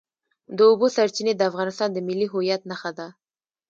د اوبو سرچینې د افغانستان د ملي هویت نښه ده.